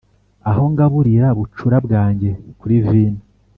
aho ngaburira bucura bwanjye kuri vino